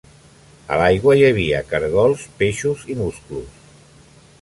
A l'aigua hi havia cargols, peixos i musclos.